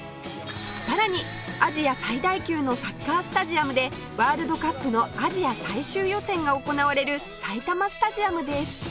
さらにアジア最大級のサッカースタジアムでワールドカップのアジア最終予選が行われる埼玉スタジアムです